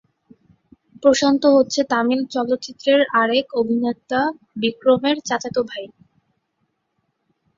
প্রশান্ত হচ্ছেন তামিল চলচ্চিত্রের আরেক অভিনেতা বিক্রমের চাচাত ভাই।